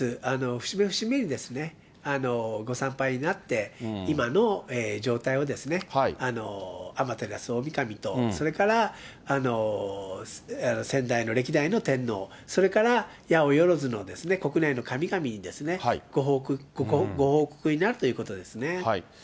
節目節目にご参拝になって、今の状態を天照大神とそれから先代の、歴代の天皇、それからやおよろずの国内の神々に、ご報告になるということですね。